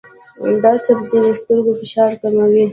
دا سبزی د سترګو فشار کموي.